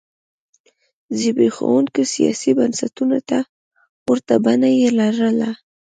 زبېښونکو سیاسي بنسټونو ته ورته بڼه یې لرله.